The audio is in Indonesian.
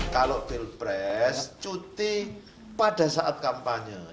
kalau pil pres cuti pada saat kampanye